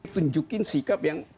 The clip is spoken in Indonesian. tunjukkan sikap yang